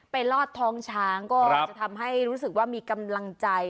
ลอดท้องช้างก็จะทำให้รู้สึกว่ามีกำลังใจ